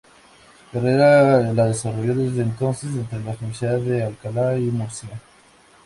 Su carrera la desarrolló desde entonces entre las universidades de Alcalá y Murcia.